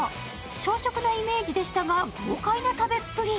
小食なイメージでしたが、豪快な食べっぷり。